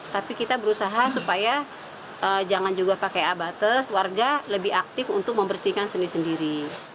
tapi kita berusaha supaya jangan juga pakai abate warga lebih aktif untuk membersihkan sendiri sendiri